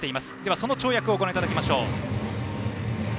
その跳躍をご覧いただきましょう。